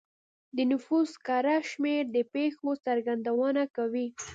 د نفوس کره شمېر د پېښو څرګندونه کوي.